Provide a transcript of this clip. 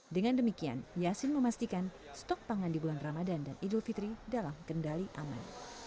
dengan demikian yasin memastikan stok pangan di bulan ramadan dan idul fitri dalam kendali aman